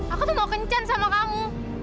aku tuh mau kencan sama kamu